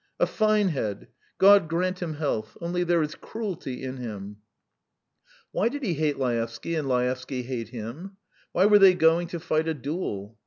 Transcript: "A fine head God grant him health; only there is cruelty in him. ..." Why did he hate Laevsky and Laevsky hate him? Why were they going to fight a duel?